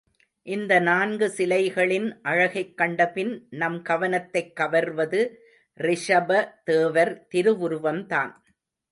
இந்த நான்கு சிலைகளின் அழகைக் கண்டபின் நம் கவனத்தைக் கவர்வது, ரிஷப தேவர் திருவுருவம்தான்.